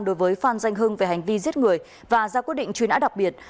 đối với phan danh hưng về hành vi giết người và ra quyết định truy nã đặc biệt